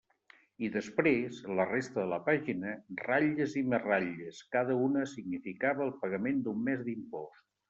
I després, en la resta de la pàgina, ratlles i més ratlles; cada una significava el pagament d'un mes d'impost.